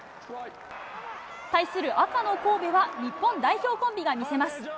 対する赤の神戸は、日本代表コンビが見せます。